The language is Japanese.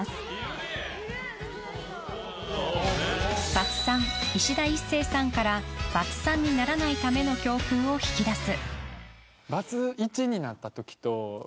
バツ３、いしだ壱成さんからバツ３にならないための教訓を引き出す。